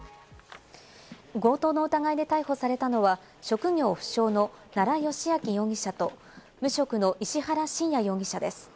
強盗の疑いで逮捕されたのは、職業不詳の奈良幸晃容疑者と無職の石原信也容疑者です。